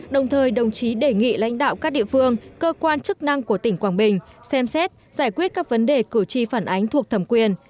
đồng thời đồng chí đề nghị lãnh đạo các địa phương cơ quan chức năng của tỉnh quảng bình xem xét giải quyết các vấn đề cử tri phản ánh thuộc thẩm quyền